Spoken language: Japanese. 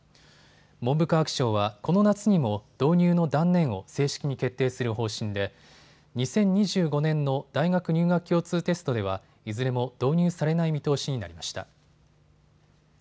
文部科学省はこの夏にも導入の断念を正式に決定する方針で２０２５年の大学入学共通テストでは、いずれも導入されない見通しになりました。